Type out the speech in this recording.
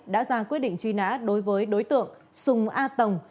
đã ra quyết định truy nã đối với đối tượng sùng a tổng